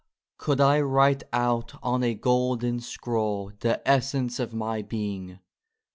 could I write out on a golden scroll The essence of my being